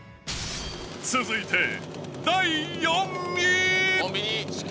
続いて第４位。